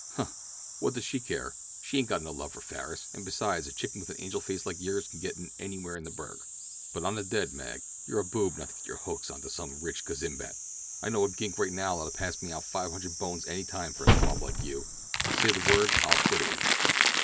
"Huh! What does she care? She ain't got no love for Farris, and besides a chicken with an angel face like yours can get in anywhere in the burg. But on the dead, Mag, you're a boob not to get your hooks onto some rich gazimbat. I know a gink right now that'll pass me out five hundred bones any time for a squab like you. Say the word and I'll split with you."